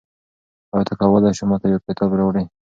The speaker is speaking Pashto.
آیا ته کولای سې ما ته یو کتاب راکړې؟